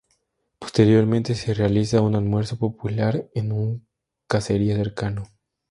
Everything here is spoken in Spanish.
Posteriormente se realiza un almuerzo popular en un caserío cercano.